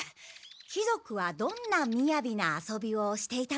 貴族はどんなみやびな遊びをしていたのでしょうか？